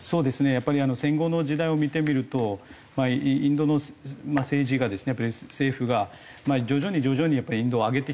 やっぱり戦後の時代を見てみるとインドの政治がですね政府が徐々に徐々にインドは上げてきたんですよね